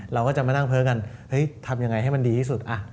เราก็จะมานั่งเพ้อกันเฮ้ยทำยังไงให้มันดีที่สุด